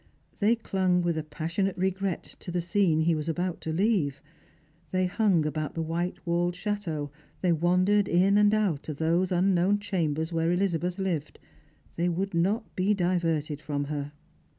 They clung with a passionate regret to the Bcene he was about to leave. They hung around the white walled chateau ; they wandered in and out of those unknown chambers where Elizabeth lived; they would not be diverted from her.